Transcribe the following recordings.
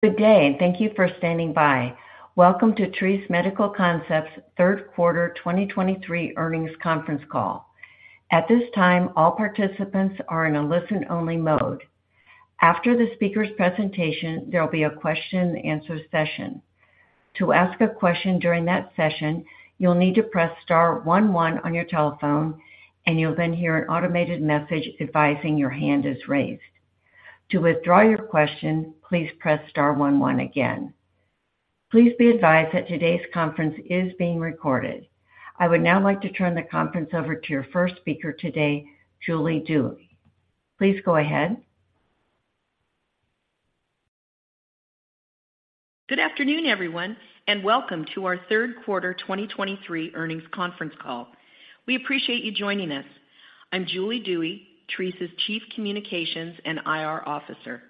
Good day, and thank you for standing by. Welcome to Treace Medical Concepts' third quarter 2023 earnings conference call. At this time, all participants are in a listen-only mode. After the speaker's presentation, there will be a question-and-answer session. To ask a question during that session, you'll need to press star one one on your telephone, and you'll then hear an automated message advising your hand is raised. To withdraw your question, please press star one one again. Please be advised that today's conference is being recorded. I would now like to turn the conference over to your first speaker today, Julie Dewey. Please go ahead. Good afternoon, everyone, and welcome to our third quarter 2023 earnings conference call. We appreciate you joining us. I'm Julie Dewey, Treace's Chief Communications and IR Officer.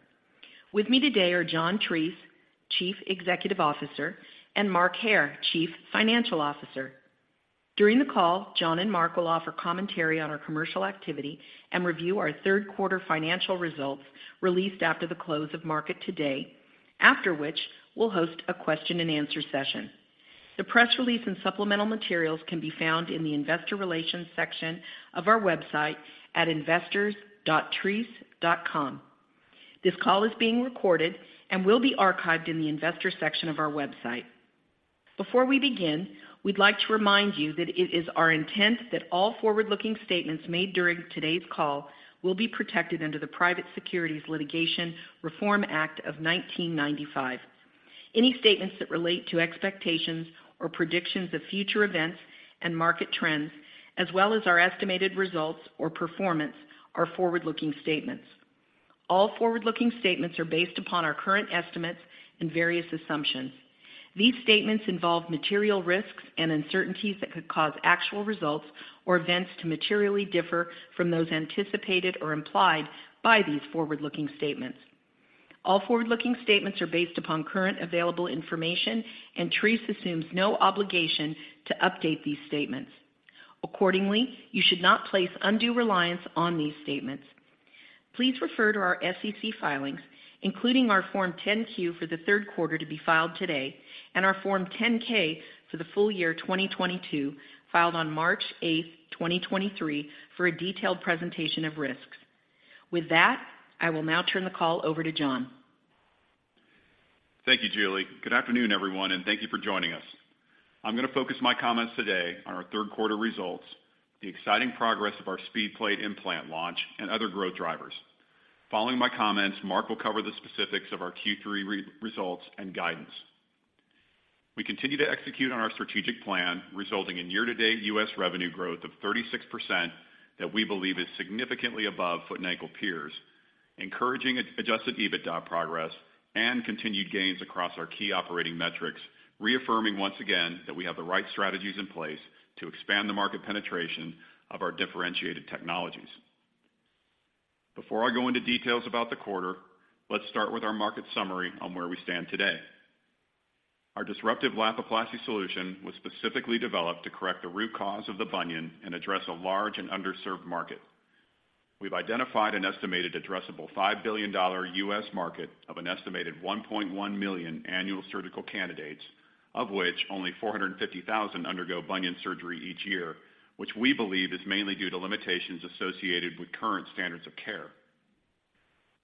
With me today are John Treace, Chief Executive Officer, and Mark Hair, Chief Financial Officer. During the call, John and Mark will offer commentary on our commercial activity and review our third quarter financial results, released after the close of market today, after which we'll host a question-and-answer session. The press release and supplemental materials can be found in the investor relations section of our website at investors.treacemedicalconcepts.com. This call is being recorded and will be archived in the investors section of our website. Before we begin, we'd like to remind you that it is our intent that all forward-looking statements made during today's call will be protected under the Private Securities Litigation Reform Act of 1995. Any statements that relate to expectations or predictions of future events and market trends, as well as our estimated results or performance, are forward-looking statements. All forward-looking statements are based upon our current estimates and various assumptions. These statements involve material risks and uncertainties that could cause actual results or events to materially differ from those anticipated or implied by these forward-looking statements. All forward-looking statements are based upon current available information, and Treace assumes no obligation to update these statements. Accordingly, you should not place undue reliance on these statements. Please refer to our SEC filings, including our Form 10-Q for the third quarter, to be filed today, and our Form 10-K for the full year 2022, filed on March 8, 2023, for a detailed presentation of risks. With that, I will now turn the call over to John. Thank you, Julie. Good afternoon, everyone, and thank you for joining us. I'm going to focus my comments today on our third quarter results, the exciting progress of our SpeedPlate implant launch, and other growth drivers. Following my comments, Mark will cover the specifics of our Q3 results and guidance. We continue to execute on our strategic plan, resulting in year-to-date U.S. revenue growth of 36%, that we believe is significantly above foot and ankle peers, encouraging Adjusted EBITDA progress and continued gains across our key operating metrics, reaffirming once again that we have the right strategies in place to expand the market penetration of our differentiated technologies. Before I go into details about the quarter, let's start with our market summary on where we stand today. Our disruptive Lapiplasty solution was specifically developed to correct the root cause of the bunion and address a large and underserved market. We've identified an estimated addressable $5 billion U.S. market of an estimated 1.1 million annual surgical candidates, of which only 450,000 undergo bunion surgery each year, which we believe is mainly due to limitations associated with current standards of care.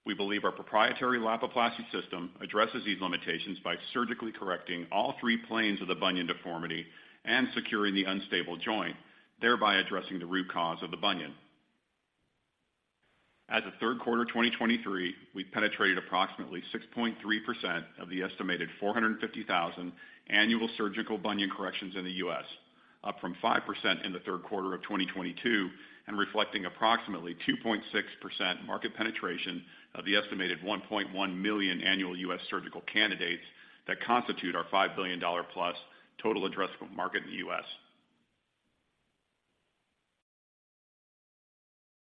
We believe our proprietary Lapiplasty system addresses these limitations by surgically correcting all three planes of the bunion deformity and securing the unstable joint, thereby addressing the root cause of the bunion. As of third quarter 2023, we've penetrated approximately 6.3% of the estimated 450,000 annual surgical bunion corrections in the U.S., up from 5% in the third quarter of 2022, and reflecting approximately 2.6% market penetration of the estimated 1.1 million annual U.S. surgical candidates that constitute our $5 billion+ total addressable market in the U.S.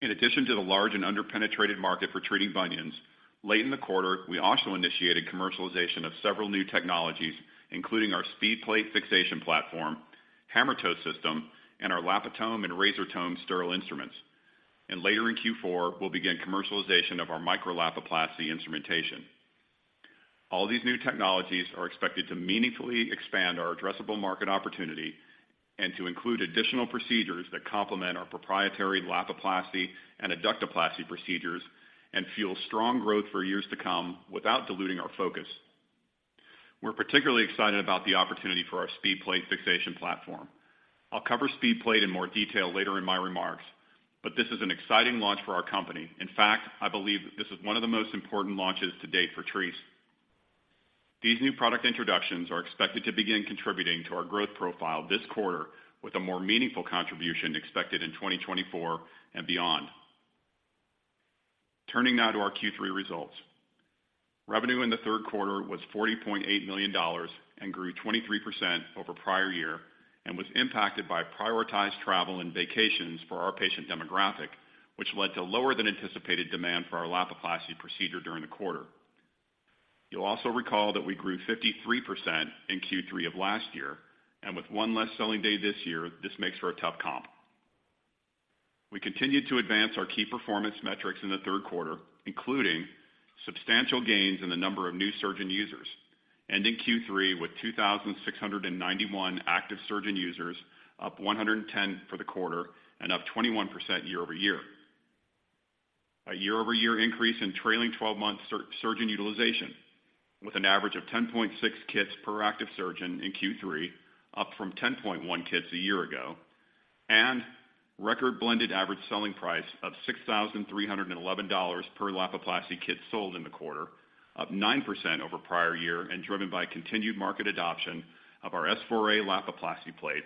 In addition to the large and underpenetrated market for treating bunions, late in the quarter, we also initiated commercialization of several new technologies, including our SpeedPlate fixation platform, Hammertoe system, and our LapiTome and RazorTome sterile instruments. Later in Q4, we'll begin commercialization of our Micro-Lapiplasty instrumentation. All these new technologies are expected to meaningfully expand our addressable market opportunity and to include additional procedures that complement our proprietary Lapiplasty and Adductoplasty procedures and fuel strong growth for years to come without diluting our focus. We're particularly excited about the opportunity for our SpeedPlate fixation platform. I'll cover SpeedPlate in more detail later in my remarks, but this is an exciting launch for our company. In fact, I believe this is one of the most important launches to date for Treace. These new product introductions are expected to begin contributing to our growth profile this quarter, with a more meaningful contribution expected in 2024 and beyond. Turning now to our Q3 results. Revenue in the third quarter was $40.8 million and grew 23% over prior year and was impacted by prioritized travel and vacations for our patient demographic, which led to lower than anticipated demand for our Lapiplasty procedure during the quarter. You'll also recall that we grew 53% in Q3 of last year, and with one less selling day this year, this makes for a tough comp.... We continued to advance our key performance metrics in the third quarter, including substantial gains in the number of new surgeon users, ending Q3 with 2,691 active surgeon users, up 110 for the quarter and up 21% year-over-year. A year-over-year increase in trailing twelve months surgeon utilization, with an average of 10.6 kits per active surgeon in Q3, up from 10.1 kits a year ago, and record blended average selling price of $6,311 per Lapiplasty kit sold in the quarter, up 9% over prior year and driven by continued market adoption of our S4A Lapiplasty plates,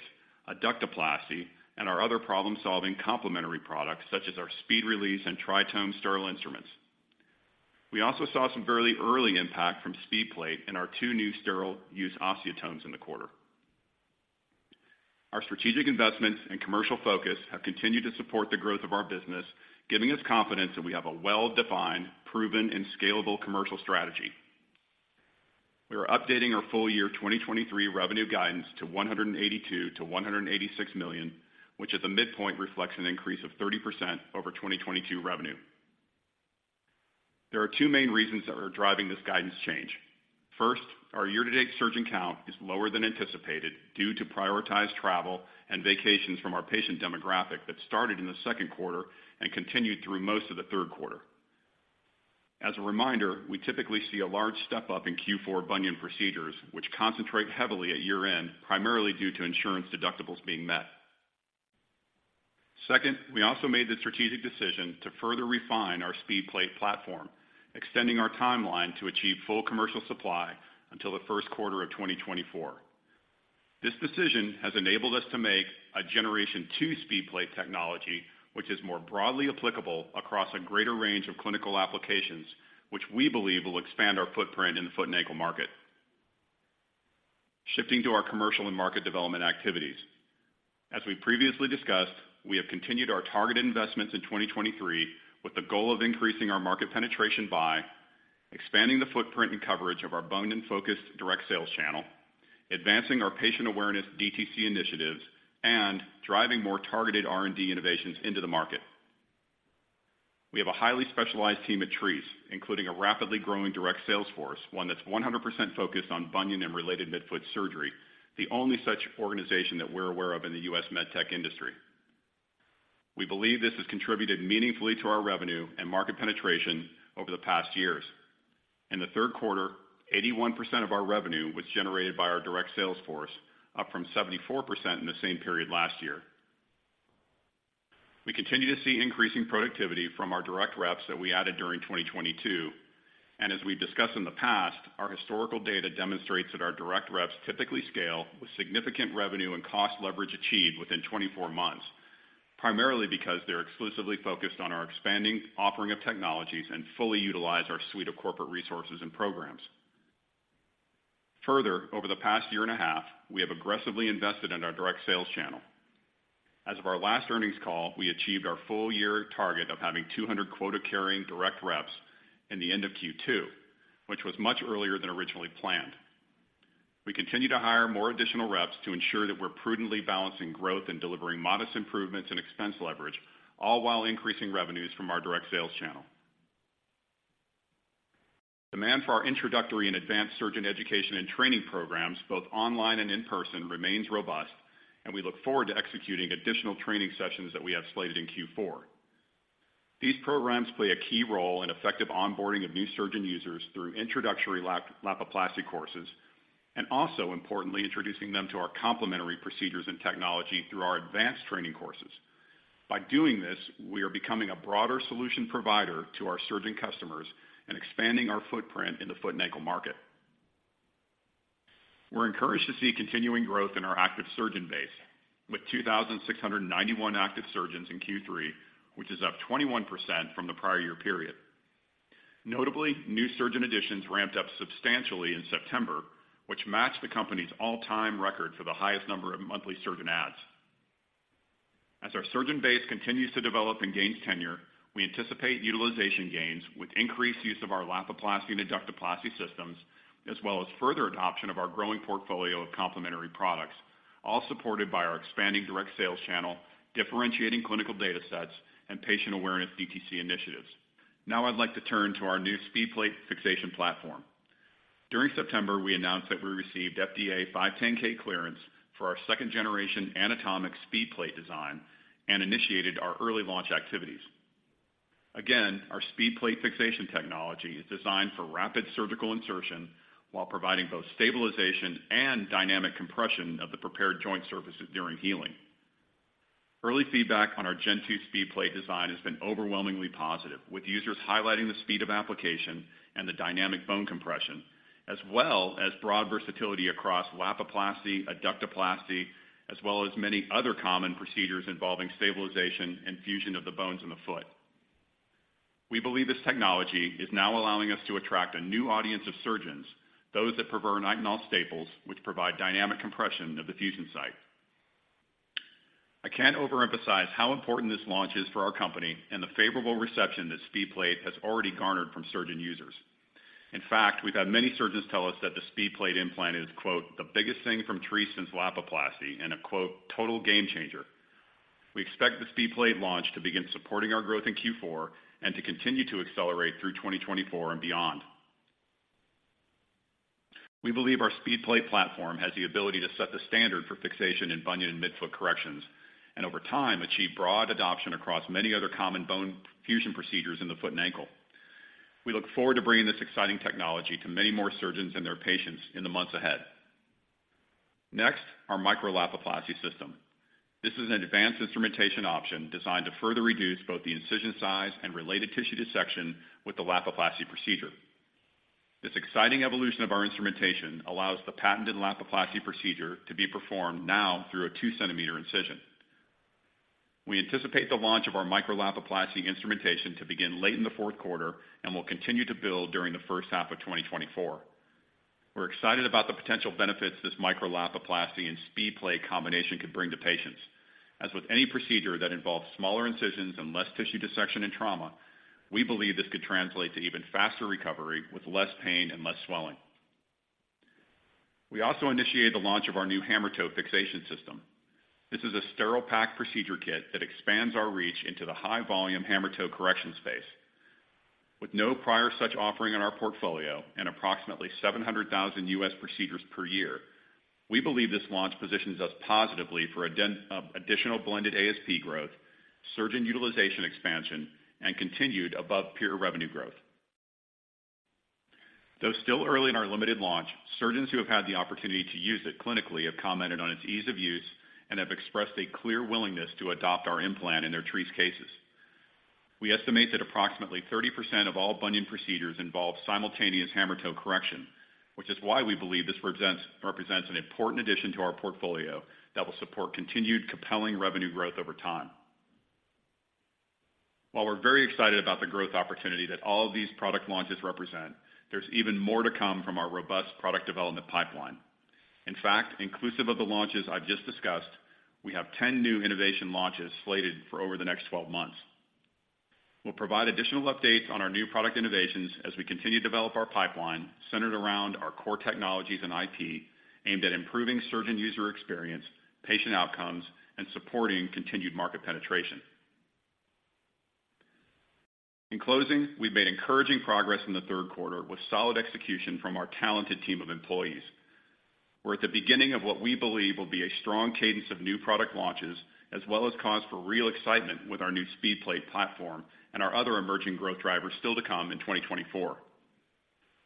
Adductoplasty, and our other problem-solving complementary products, such as our SpeedRelease and TriTome sterile instruments. We also saw some very early impact from SpeedPlate in our two new sterile use osteotomes in the quarter. Our strategic investments and commercial focus have continued to support the growth of our business, giving us confidence that we have a well-defined, proven, and scalable commercial strategy. We are updating our full year 2023 revenue guidance to $182 million-$186 million, which at the midpoint reflects an increase of 30% over 2022 revenue. There are two main reasons that are driving this guidance change. First, our year-to-date surgeon count is lower than anticipated due to prioritized travel and vacations from our patient demographic that started in the second quarter and continued through most of the third quarter. As a reminder, we typically see a large step-up in Q4 bunion procedures, which concentrate heavily at year-end, primarily due to insurance deductibles being met. Second, we also made the strategic decision to further refine our SpeedPlate platform, extending our timeline to achieve full commercial supply until the first quarter of 2024. This decision has enabled us to make a Generation 2 SpeedPlate technology, which is more broadly applicable across a greater range of clinical applications, which we believe will expand our footprint in the foot and ankle market. Shifting to our commercial and market development activities. As we previously discussed, we have continued our targeted investments in 2023, with the goal of increasing our market penetration by expanding the footprint and coverage of our bunion-focused direct sales channel, advancing our patient awareness DTC initiatives, and driving more targeted R&D innovations into the market. We have a highly specialized team at Treace, including a rapidly growing direct sales force, one that's 100% focused on bunion and related midfoot surgery, the only such organization that we're aware of in the U.S. med tech industry. We believe this has contributed meaningfully to our revenue and market penetration over the past years. In the third quarter, 81% of our revenue was generated by our direct sales force, up from 74% in the same period last year. We continue to see increasing productivity from our direct reps that we added during 2022, and as we've discussed in the past, our historical data demonstrates that our direct reps typically scale with significant revenue and cost leverage achieved within 24 months, primarily because they're exclusively focused on our expanding offering of technologies and fully utilize our suite of corporate resources and programs. Further, over the past year and a half, we have aggressively invested in our direct sales channel. As of our last earnings call, we achieved our full year target of having 200 quota-carrying direct reps in the end of Q2, which was much earlier than originally planned. We continue to hire more additional reps to ensure that we're prudently balancing growth and delivering modest improvements in expense leverage, all while increasing revenues from our direct sales channel. Demand for our introductory and advanced surgeon education and training programs, both online and in person, remains robust, and we look forward to executing additional training sessions that we have slated in Q4. These programs play a key role in effective onboarding of new surgeon users through introductory Lapiplasty courses, and also importantly, introducing them to our complementary procedures and technology through our advanced training courses. By doing this, we are becoming a broader solution provider to our surgeon customers and expanding our footprint in the foot and ankle market. We're encouraged to see continuing growth in our active surgeon base, with 2,691 active surgeons in Q3, which is up 21% from the prior year period. Notably, new surgeon additions ramped up substantially in September, which matched the company's all-time record for the highest number of monthly surgeon adds. As our surgeon base continues to develop and gains tenure, we anticipate utilization gains with increased use of our Lapiplasty and Adductoplasty systems, as well as further adoption of our growing portfolio of complementary products, all supported by our expanding direct sales channel, differentiating clinical data sets, and patient awareness DTC initiatives. Now I'd like to turn to our new SpeedPlate fixation platform. During September, we announced that we received FDA 510(k) clearance for our second generation anatomic SpeedPlate design and initiated our early launch activities. Again, our SpeedPlate fixation technology is designed for rapid surgical insertion while providing both stabilization and dynamic compression of the prepared joint surfaces during healing. Early feedback on our Gen 2 SpeedPlate design has been overwhelmingly positive, with users highlighting the speed of application and the dynamic bone compression, as well as broad versatility across Lapiplasty, Adductoplasty, as well as many other common procedures involving stabilization and fusion of the bones in the foot. We believe this technology is now allowing us to attract a new audience of surgeons, those that prefer Nitinol staples, which provide dynamic compression of the fusion site. I can't overemphasize how important this launch is for our company and the favorable reception that SpeedPlate has already garnered from surgeon users. In fact, we've had many surgeons tell us that the SpeedPlate implant is, quote, "the biggest thing from Treace since Lapiplasty," and a, quote, "total game changer." We expect the SpeedPlate launch to begin supporting our growth in Q4, and to continue to accelerate through 2024 and beyond. We believe our SpeedPlate platform has the ability to set the standard for fixation in bunion and midfoot corrections, and over time, achieve broad adoption across many other common bone fusion procedures in the foot and ankle. We look forward to bringing this exciting technology to many more surgeons and their patients in the months ahead. Next, our Micro-Lapiplasty system. This is an advanced instrumentation option designed to further reduce both the incision size and related tissue dissection with the Lapiplasty procedure. This exciting evolution of our instrumentation allows the patented Lapiplasty procedure to be performed now through a 2 cm incision. We anticipate the launch of our Micro-Lapiplasty instrumentation to begin late in the fourth quarter, and will continue to build during the first half of 2024. We're excited about the potential benefits this Micro-Lapiplasty and SpeedPlate combination could bring to patients. As with any procedure that involves smaller incisions and less tissue dissection and trauma, we believe this could translate to even faster recovery with less pain and less swelling. We also initiated the launch of our new Hammertoe fixation system. This is a sterile pack procedure kit that expands our reach into the high-volume Hammertoe correction space. With no prior such offering in our portfolio and approximately 700,000 U.S. procedures per year, we believe this launch positions us positively for additional blended ASP growth, surgeon utilization expansion, and continued above-peer revenue growth. Though still early in our limited launch, surgeons who have had the opportunity to use it clinically have commented on its ease of use and have expressed a clear willingness to adopt our implant in their Treace cases. We estimate that approximately 30% of all bunion procedures involve simultaneous Hammertoe correction, which is why we believe this represents an important addition to our portfolio that will support continued compelling revenue growth over time. While we're very excited about the growth opportunity that all of these product launches represent, there's even more to come from our robust product development pipeline. In fact, inclusive of the launches I've just discussed, we have 10 new innovation launches slated for over the next 12 months. We'll provide additional updates on our new product innovations as we continue to develop our pipeline, centered around our core technologies and IP, aimed at improving surgeon user experience, patient outcomes, and supporting continued market penetration. In closing, we've made encouraging progress in the third quarter, with solid execution from our talented team of employees. We're at the beginning of what we believe will be a strong cadence of new product launches, as well as cause for real excitement with our new SpeedPlate platform and our other emerging growth drivers still to come in 2024.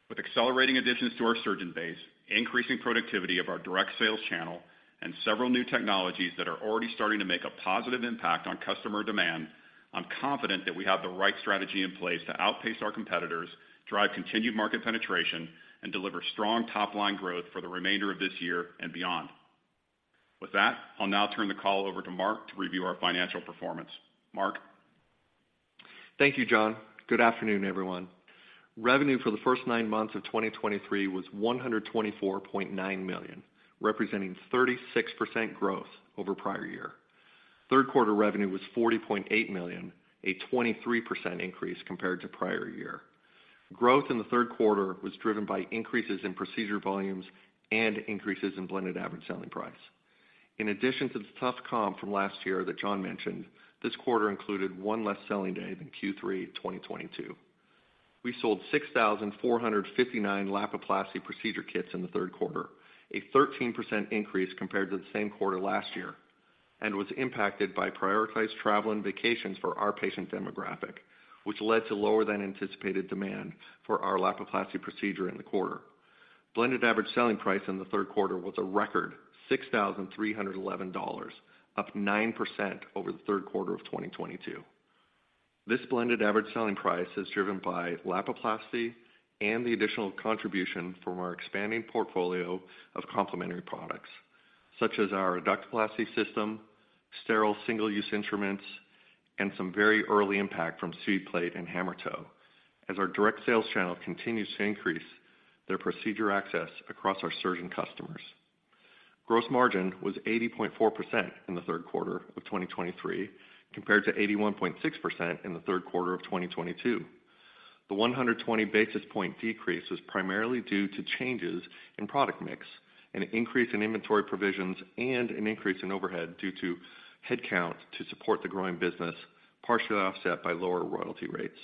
With accelerating additions to our surgeon base, increasing productivity of our direct sales channel, and several new technologies that are already starting to make a positive impact on customer demand, I'm confident that we have the right strategy in place to outpace our competitors, drive continued market penetration, and deliver strong top-line growth for the remainder of this year and beyond. With that, I'll now turn the call over to Mark to review our financial performance. Mark? Thank you, John. Good afternoon, everyone. Revenue for the first nine months of 2023 was $124.9 million, representing 36% growth over prior year. Third quarter revenue was $40.8 million, a 23% increase compared to prior year. Growth in the third quarter was driven by increases in procedure volumes and increases in blended average selling price. In addition to the tough comp from last year that John mentioned, this quarter included one less selling day than Q3 2022. We sold 6,459 Lapiplasty procedure kits in the third quarter, a 13% increase compared to the same quarter last year, and was impacted by prioritized travel and vacations for our patient demographic, which led to lower than anticipated demand for our Lapiplasty procedure in the quarter. Blended average selling price in the third quarter was a record $6,311, up 9% over the third quarter of 2022. This blended average selling price is driven by Lapiplasty and the additional contribution from our expanding portfolio of complementary products, such as our Adductoplasty system, sterile single-use instruments, and some very early impact from SpeedPlate and Hammertoe, as our direct sales channel continues to increase their procedure access across our surgeon customers. Gross margin was 80.4% in the third quarter of 2023, compared to 81.6% in the third quarter of 2022. The 120 basis point decrease was primarily due to changes in product mix, an increase in inventory provisions, and an increase in overhead due to headcount to support the growing business, partially offset by lower royalty rates.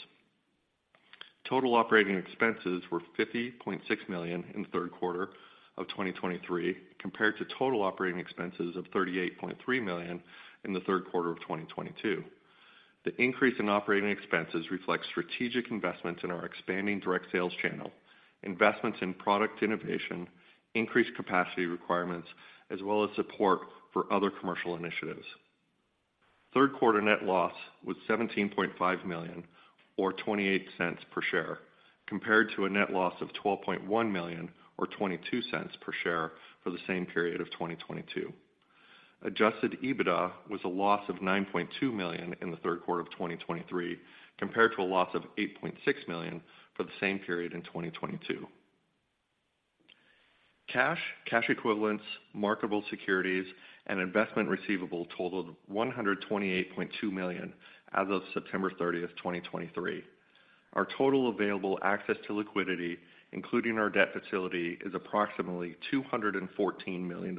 Total operating expenses were $50.6 million in the third quarter of 2023, compared to total operating expenses of $38.3 million in the third quarter of 2022. The increase in operating expenses reflects strategic investments in our expanding direct sales channel, investments in product innovation, increased capacity requirements, as well as support for other commercial initiatives. Third quarter net loss was $17.5 million, or $0.28 per share, compared to a net loss of $12.1 million, or $0.22 per share, for the same period of 2022. Adjusted EBITDA was a loss of $9.2 million in the third quarter of 2023, compared to a loss of $8.6 million for the same period in 2022. Cash, cash equivalents, marketable securities, and investment receivable totaled $128.2 million as of September 30, 2023. Our total available access to liquidity, including our debt facility, is approximately $214 million.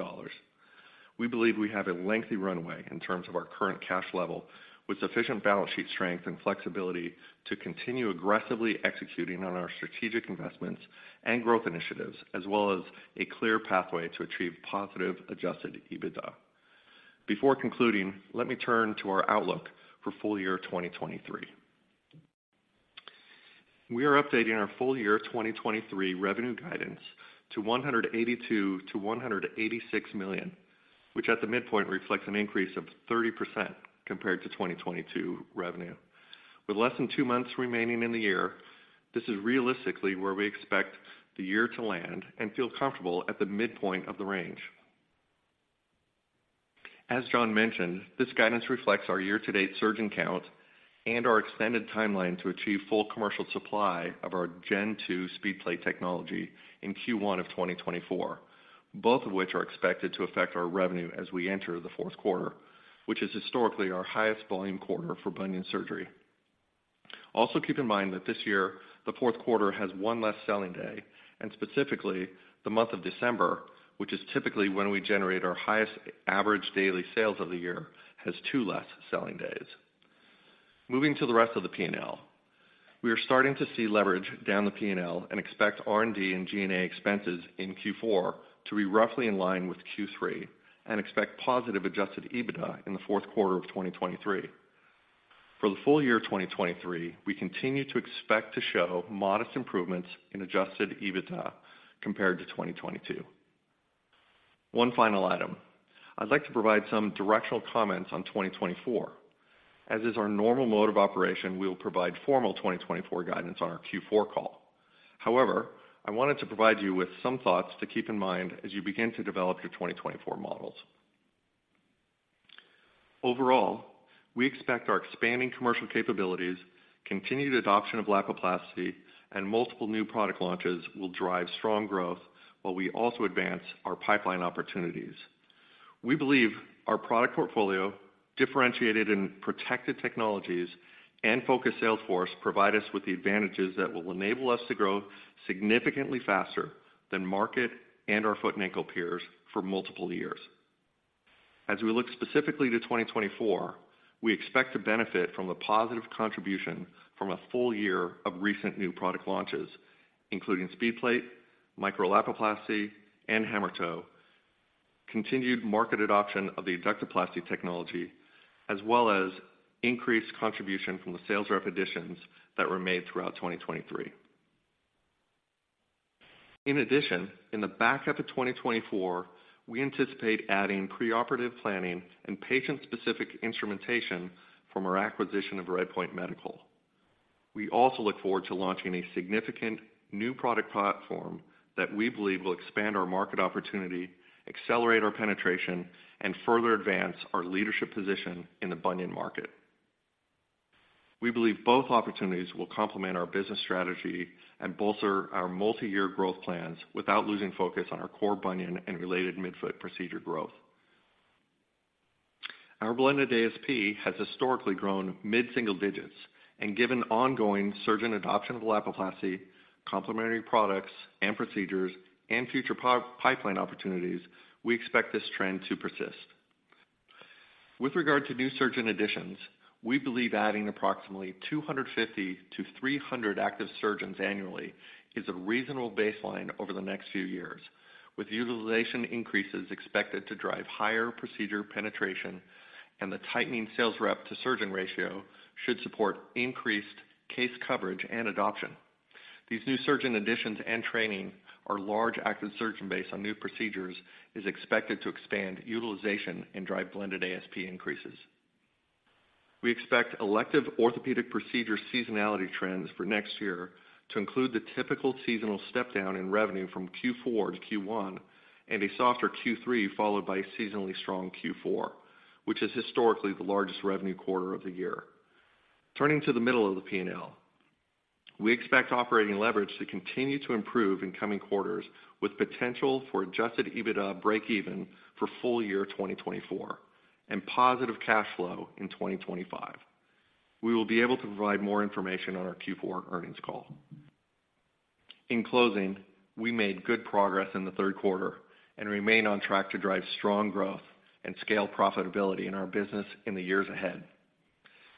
We believe we have a lengthy runway in terms of our current cash level, with sufficient balance sheet strength and flexibility to continue aggressively executing on our strategic investments and growth initiatives, as well as a clear pathway to achieve positive adjusted EBITDA. Before concluding, let me turn to our outlook for full year 2023. We are updating our full year 2023 revenue guidance to $182 million-$186 million, which at the midpoint, reflects an increase of 30% compared to 2022 revenue. With less than 2 months remaining in the year, this is realistically where we expect the year to land and feel comfortable at the midpoint of the range. As John mentioned, this guidance reflects our year-to-date surgeon count and our extended timeline to achieve full commercial supply of our Gen 2 SpeedPlate technology in Q1 of 2024, both of which are expected to affect our revenue as we enter the fourth quarter, which is historically our highest volume quarter for bunion surgery. Also, keep in mind that this year, the fourth quarter has 1 less selling day, and specifically, the month of December, which is typically when we generate our highest average daily sales of the year, has two less selling days. Moving to the rest of the P&L. We are starting to see leverage down the P&L and expect R&D and G&A expenses in Q4 to be roughly in line with Q3, and expect positive adjusted EBITDA in the fourth quarter of 2023. For the full year 2023, we continue to expect to show modest improvements in adjusted EBITDA compared to 2022. One final item. I'd like to provide some directional comments on 2024. As is our normal mode of operation, we will provide formal 2024 guidance on our Q4 call. However, I wanted to provide you with some thoughts to keep in mind as you begin to develop your 2024 models. Overall, we expect our expanding commercial capabilities, continued adoption of Lapiplasty, and multiple new product launches will drive strong growth while we also advance our pipeline opportunities. We believe our product portfolio, differentiated and protected technologies, and focused sales force provide us with the advantages that will enable us to grow significantly faster than market and our foot and ankle peers for multiple years. As we look specifically to 2024, we expect to benefit from the positive contribution from a full year of recent new product launches, including SpeedPlate, Micro-Lapiplasty, and Hammertoe, continued market adoption of the Adductoplasty technology, as well as increased contribution from the sales rep additions that were made throughout 2023. In addition, in the back half of 2024, we anticipate adding preoperative planning and patient-specific instrumentation from our acquisition of RedPoint Medical. We also look forward to launching a significant new product platform that we believe will expand our market opportunity, accelerate our penetration, and further advance our leadership position in the bunion market. We believe both opportunities will complement our business strategy and bolster our multi-year growth plans without losing focus on our core bunion and related midfoot procedure growth. Our blended ASP has historically grown mid-single digits, and given ongoing surgeon adoption of Lapiplasty, complementary products and procedures, and future pipeline opportunities, we expect this trend to persist. With regard to new surgeon additions, we believe adding approximately 250-300 active surgeons annually is a reasonable baseline over the next few years, with utilization increases expected to drive higher procedure penetration and the tightening sales rep to surgeon ratio should support increased case coverage and adoption. These new surgeon additions and training, our large active surgeon base on new procedures, is expected to expand utilization and drive blended ASP increases. We expect elective orthopedic procedure seasonality trends for next year to include the typical seasonal step down in revenue from Q4 to Q1, and a softer Q3, followed by a seasonally strong Q4, which is historically the largest revenue quarter of the year. Turning to the middle of the P&L, we expect operating leverage to continue to improve in coming quarters, with potential for Adjusted EBITDA breakeven for full year 2024 and positive cash flow in 2025. We will be able to provide more information on our Q4 earnings call. In closing, we made good progress in the third quarter and remain on track to drive strong growth and scale profitability in our business in the years ahead.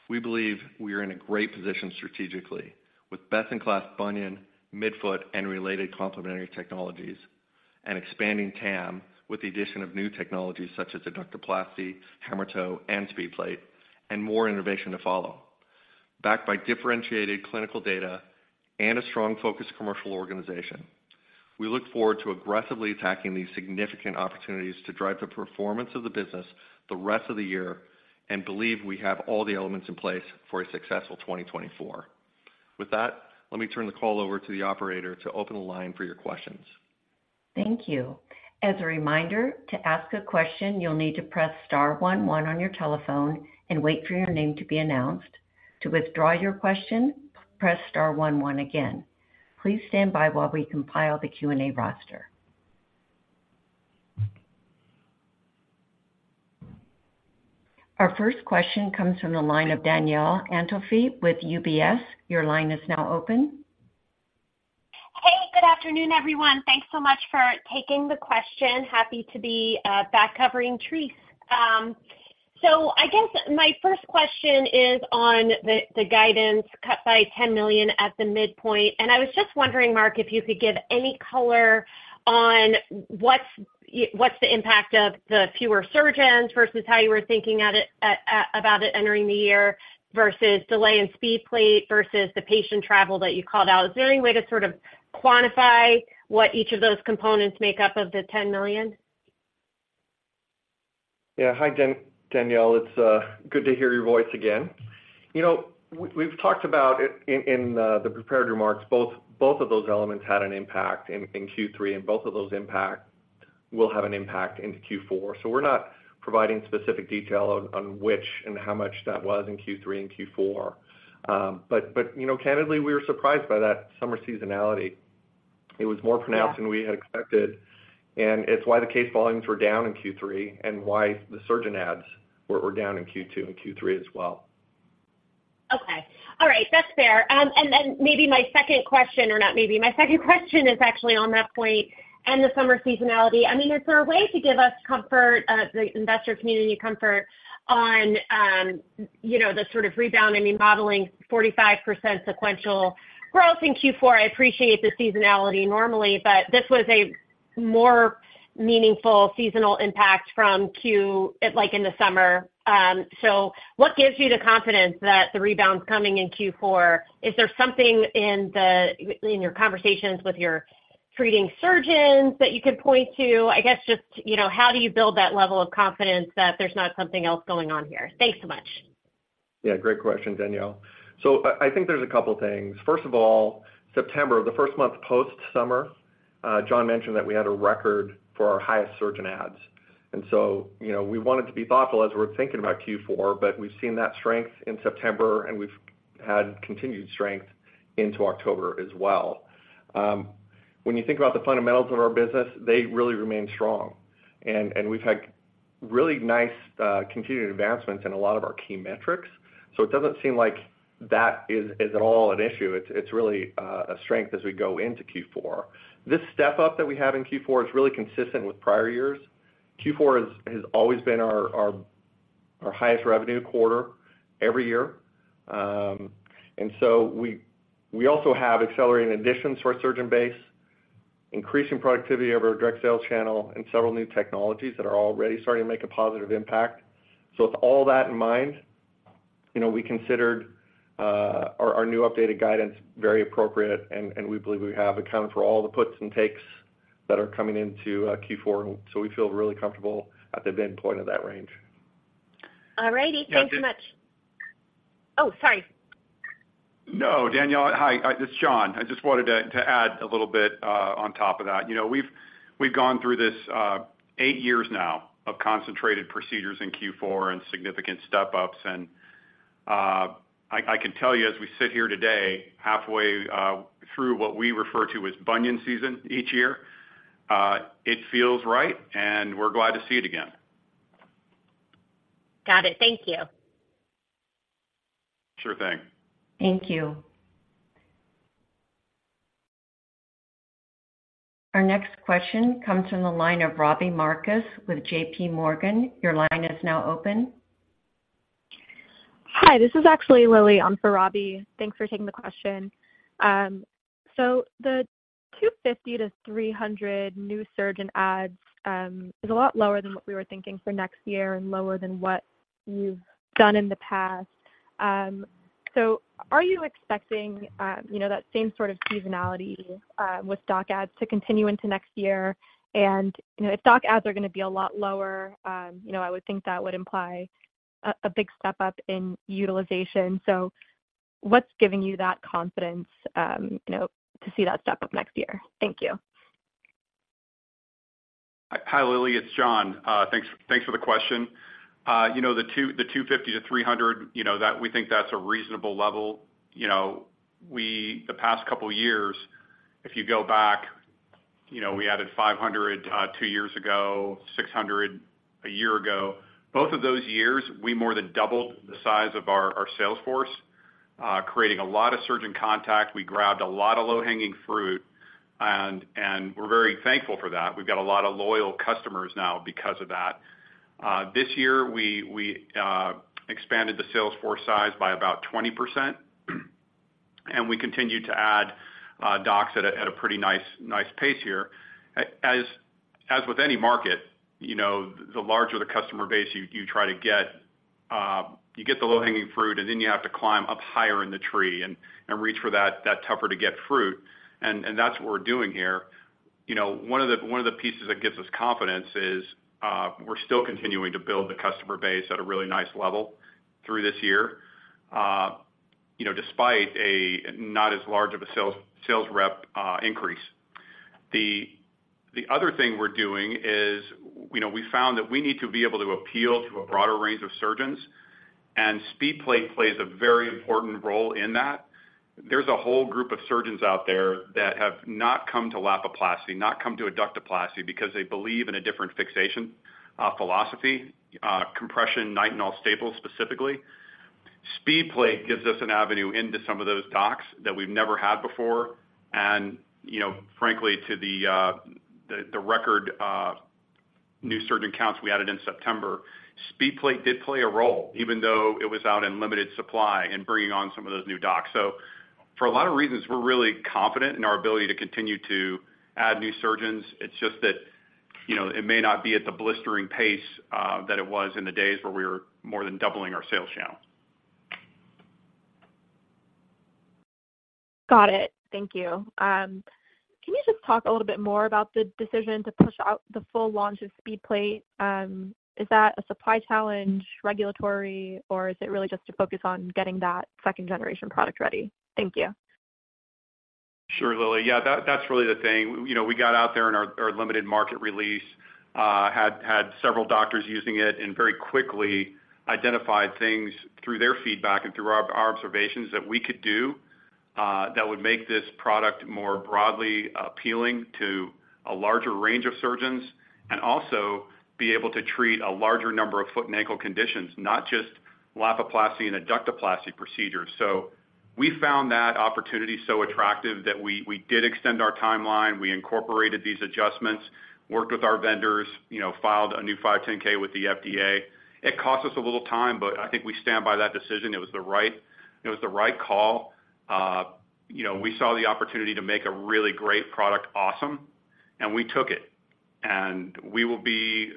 We believe we are in a great position strategically with best-in-class bunion, midfoot, and related complementary technologies, and expanding TAM with the addition of new technologies such as Adductoplasty, Hammertoe, and SpeedPlate, and more innovation to follow. Backed by differentiated clinical data and a strong, focused commercial organization, we look forward to aggressively attacking these significant opportunities to drive the performance of the business the rest of the year, and believe we have all the elements in place for a successful 2024. With that, let me turn the call over to the operator to open the line for your questions. Thank you. As a reminder, to ask a question, you'll need to press star one one on your telephone and wait for your name to be announced. To withdraw your question, press star one one again. Please stand by while we compile the Q&A roster. Our first question comes from the line of Danielle Antalffy with UBS. Your line is now open. Hey, good afternoon, everyone. Thanks so much for taking the question. Happy to be back covering Treace. So I guess my first question is on the guidance cut by $10 million at the midpoint, and I was just wondering, Mark, if you could give any color on what's the impact of the fewer surgeons versus how you were thinking about it entering the year versus delay in SpeedPlate versus the patient travel that you called out. Is there any way to sort of quantify what each of those components make up of the $10 million? Yeah. Hi, Danielle. It's good to hear your voice again. You know, we've talked about it in the prepared remarks, both of those elements had an impact in Q3, and both of those impact will have an impact into Q4. So we're not providing specific detail on which and how much that was in Q3 and Q4. But you know, candidly, we were surprised by that summer seasonality. It was more pronounced than we had expected, and it's why the case volumes were down in Q3 and why the surgeon adds were down in Q2 and Q3 as well. Okay. All right, that's fair. And then maybe my second question, or not maybe, my second question is actually on that point and the summer seasonality. I mean, is there a way to give us comfort, the investor community comfort on, you know, the sort of rebound? I mean, modeling 45% sequential growth in Q4, I appreciate the seasonality normally, but this was a more meaningful seasonal impact from Q, like, in the summer. So what gives you the confidence that the rebound's coming in Q4? Is there something in the, in your conversations with your treating surgeons that you could point to? I guess, just, you know, how do you build that level of confidence that there's not something else going on here? Thanks so much. Yeah, great question, Danielle. So I, I think there's a couple things. First of all, September, the first month post-summer, John mentioned that we had a record for our highest surgeon ads. And so, you know, we wanted to be thoughtful as we're thinking about Q4, but we've seen that strength in September, and we've had continued strength into October as well. When you think about the fundamentals of our business, they really remain strong, and we've had really nice continued advancements in a lot of our key metrics, so it doesn't seem like that is at all an issue. It's really a strength as we go into Q4. This step-up that we have in Q4 is really consistent with prior years. Q4 has always been our highest revenue quarter every year. And so we also have accelerated additions to our surgeon base, increasing productivity of our direct sales channel and several new technologies that are already starting to make a positive impact. So with all that in mind, you know, we considered our new updated guidance very appropriate, and we believe we have accounted for all the puts and takes that are coming into Q4. So we feel really comfortable at the midpoint of that range. All righty. Yeah, Dan- Thanks so much. Oh, sorry! No, Danielle. Hi, this is John. I just wanted to add a little bit on top of that. You know, we've gone through this 8 years now of concentrated procedures in Q4 and significant step-ups, and I can tell you, as we sit here today, halfway through what we refer to as bunion season each year, it feels right, and we're glad to see it again. Got it. Thank you. Sure thing. Thank you. Our next question comes from the line of Robbie Marcus with JPMorgan. Your line is now open. Hi, this is actually Lily for Robbie. Thanks for taking the question. So the 250-300 new surgeon ads is a lot lower than what we were thinking for next year and lower than what you've done in the past. So are you expecting, you know, that same sort of seasonality with doc ads to continue into next year? And, you know, if doc ads are gonna be a lot lower, you know, I would think that would imply a big step up in utilization. So what's giving you that confidence, you know, to see that step up next year? Thank you. Hi, Lily, it's John. Thanks, thanks for the question. You know, the 250-300, you know, that, we think that's a reasonable level. You know, the past couple of years, if you go back, you know, we added 500 two years ago, 600 a year ago. Both of those years, we more than doubled the size of our sales force, creating a lot of surgeon contact. We grabbed a lot of low-hanging fruit, and we're very thankful for that. We've got a lot of loyal customers now because of that. This year, we expanded the sales force size by about 20%, and we continued to add docs at a pretty nice pace here. As with any market, you know, the larger the customer base, you try to get the low-hanging fruit, and then you have to climb up higher in the tree and reach for that tougher to get fruit, and that's what we're doing here. You know, one of the pieces that gives us confidence is, we're still continuing to build the customer base at a really nice level through this year. You know, despite a not as large of a sales rep increase. The other thing we're doing is, you know, we found that we need to be able to appeal to a broader range of surgeons, and SpeedPlate plays a very important role in that. There's a whole group of surgeons out there that have not come to Lapiplasty, not come to Adductoplasty because they believe in a different fixation philosophy, compression, Nitinol staples, specifically. SpeedPlate gives us an avenue into some of those docs that we've never had before. And, you know, frankly, to the record, new surgeon accounts we added in September, SpeedPlate did play a role, even though it was out in limited supply, in bringing on some of those new docs. So for a lot of reasons, we're really confident in our ability to continue to add new surgeons. It's just that, you know, it may not be at the blistering pace that it was in the days where we were more than doubling our sales channel. Got it. Thank you. Can you just talk a little bit more about the decision to push out the full launch of SpeedPlate? Is that a supply challenge, regulatory, or is it really just to focus on getting that second generation product ready? Thank you. Sure, Lily. Yeah, that's really the thing. You know, we got out there in our limited market release, had several doctors using it and very quickly identified things through their feedback and through our observations that we could do that would make this product more broadly appealing to a larger range of surgeons, and also be able to treat a larger number of foot and ankle conditions, not just Lapiplasty and Adductoplasty procedures. So we found that opportunity so attractive that we did extend our timeline. We incorporated these adjustments, worked with our vendors, you know, filed a new 510(k) with the FDA. It cost us a little time, but I think we stand by that decision. It was the right call. You know, we saw the opportunity to make a really great product awesome, and we took it. We will be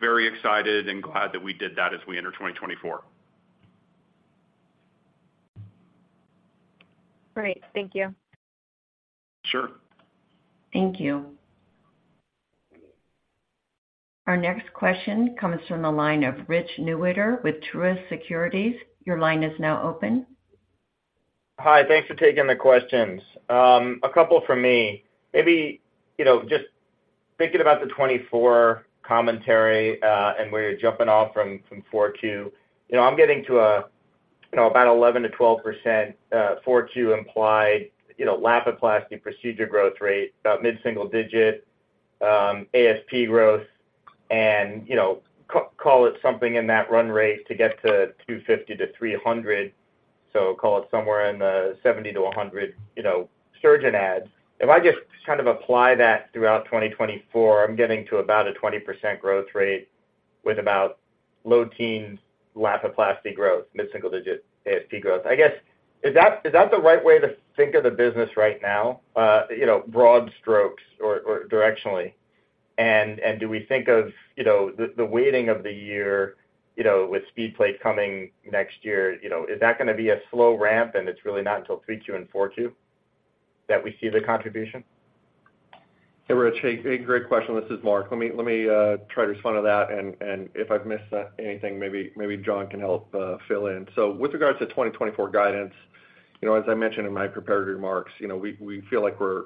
very excited and glad that we did that as we enter 2024. Great. Thank you. Sure. Thank you. Our next question comes from the line of Rich Newitter with Truist Securities. Your line is now open. Hi, thanks for taking the questions. A couple from me. Maybe, you know, just thinking about the 2024 commentary, and where you're jumping off from, from 4Q. You know, I'm getting to about 11%-12% Q4 implied, you know, Lapiplasty procedure growth rate, about mid-single-digit ASP growth, and, you know, call it something in that run rate to get to 250-300, so call it somewhere in the 70-100, you know, surgeon adds. If I just kind of apply that throughout 2024, I'm getting to about a 20% growth rate with about low-teen Lapiplasty growth, mid-single-digit ASP growth. I guess, is that, is that the right way to think of the business right now? You know, broad strokes or, or directionally. Do we think of, you know, the weighting of the year, you know, with SpeedPlate coming next year, you know, is that going to be a slow ramp and it's really not until 3Q and 4Q that we see the contribution? Hey, Rich, hey, great question. This is Mark. Let me try to respond to that, and if I've missed anything, maybe, maybe John can help fill in. So with regards to 2024 guidance, you know, as I mentioned in my prepared remarks, you know, we feel like we're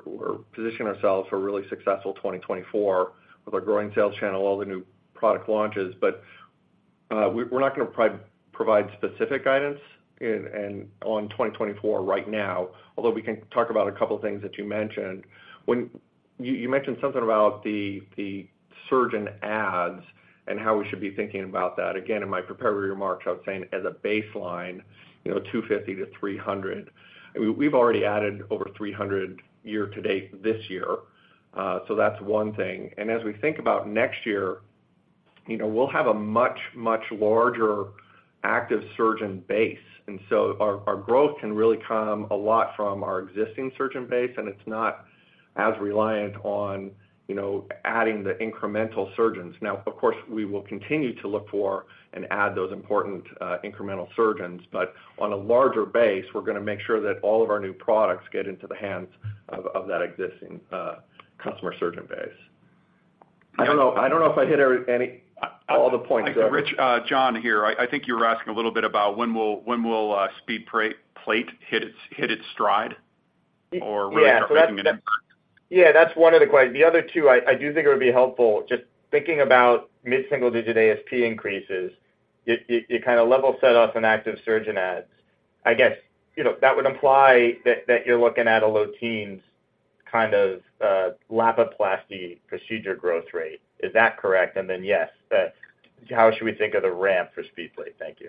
positioning ourselves for a really successful 2024 with our growing sales channel, all the new product launches. But we're not going to provide specific guidance in on 2024 right now, although we can talk about a couple of things that you mentioned. You mentioned something about the surgeon ads and how we should be thinking about that. Again, in my prepared remarks, I was saying as a baseline, you know, 250-300. I mean, we've already added over 300 year-to-date this year, so that's one thing. As we think about next year, you know, we'll have a much, much larger active surgeon base, and so our, our growth can really come a lot from our existing surgeon base, and it's not as reliant on, you know, adding the incremental surgeons. Now, of course, we will continue to look for and add those important, incremental surgeons, but on a larger base, we're going to make sure that all of our new products get into the hands of, of that existing, customer surgeon base. I don't know, I don't know if I hit every, any, all the points there. Rich, John here. I think you were asking a little bit about when will SpeedPlate hit its stride or really start making an impact? Yeah, that's one of the questions. The other two, I do think it would be helpful just thinking about mid-single-digit ASP increases. It kind of level sets off an active surgeon adds. I guess, you know, that would imply that you're looking at a low-teens kind of Lapiplasty procedure growth rate. Is that correct? And then, yes, how should we think of the ramp for SpeedPlate? Thank you.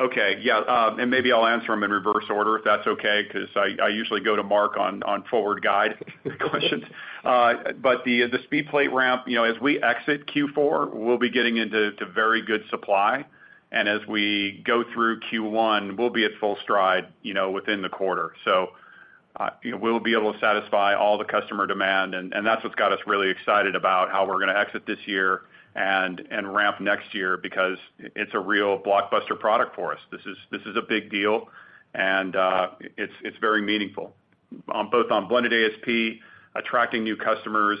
Okay. Yeah, and maybe I'll answer them in reverse order, if that's okay, because I usually go to Mark on forward guide questions. But the SpeedPlate ramp, you know, as we exit Q4, we'll be getting into very good supply, and as we go through Q1, we'll be at full stride, you know, within the quarter. So, you know, we'll be able to satisfy all the customer demand, and that's what's got us really excited about how we're going to exit this year and ramp next year, because it's a real blockbuster product for us. This is a big deal. And it's very meaningful, both on blended ASP, attracting new customers,